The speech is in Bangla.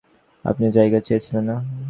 আপনি জায়গা চেয়েছিলেন না?